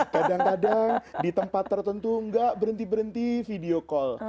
kadang kadang di tempat tertentu nggak berhenti berhenti video call